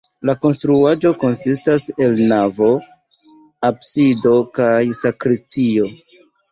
La konstruaĵo konsistas el navo, absido kaj sakristio.